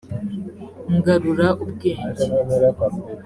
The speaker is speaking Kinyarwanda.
ngarura ubwenge.